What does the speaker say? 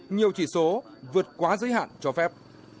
nhiều chỉ số vượt quá giới hạn cho phép